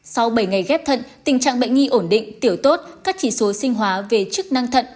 sau bảy ngày ghép thận tình trạng bệnh nhi ổn định tiểu tốt các chỉ số sinh hóa về chức năng thận